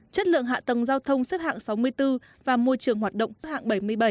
chất lượng hạ tầng giao thông xếp hạng sáu mươi bốn và môi trường hoạt động xếp hạng bảy mươi bảy